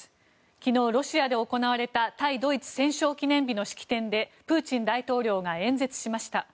昨日、ロシアで行われた対ドイツ戦勝記念日の式典でプーチン大統領が演説しました。